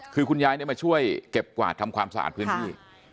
คือคุณยายมาช่วยเก็บกวาดทำความสะอาดพื้นที่